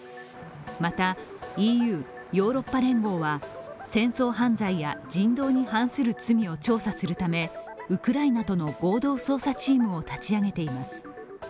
またＥＵ＝ヨーロッパ連合は戦争犯罪や人道に反する罪を調査するためウクライナとの合同捜査チームを立ち上げています。